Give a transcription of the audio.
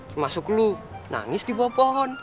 termasuk lu nangis di bawah pohon